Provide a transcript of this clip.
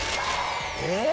えっ？